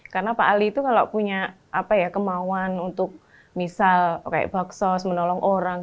karena pak ali itu kalau punya kemauan untuk misal kayak baksos menolong orang